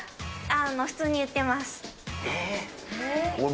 普通に売っています。